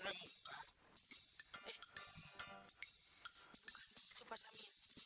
eh bukan itu pak samin